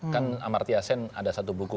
kan amartya sen ada satu buku